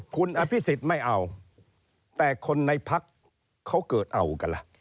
คุณอภิษฎไม่เอาแต่คนในพักเขาเกิดเอากันล่ะ